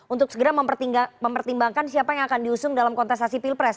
untuk segera mempertimbangkan siapa yang akan diusung dalam kontestasi pilpres